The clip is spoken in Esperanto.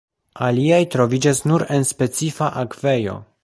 Aliaj troviĝas nur en specifa akvejo.